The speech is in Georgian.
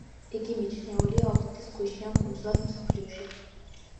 იგი მიჩნეულია უდიდეს ქვიშიან კუნძულად მსოფლიოში.